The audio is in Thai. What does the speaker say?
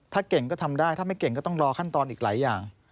ถ้าเก่งก็ทำได้ถ้าไม่เก่งก็ต้องรอขั้นตอนอีกหลายอย่าง